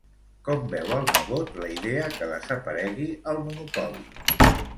Com veu el nebot la idea que desaparegui el monopoli?